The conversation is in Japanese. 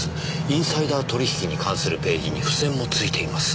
インサイダー取引に関するページに付箋も付いています。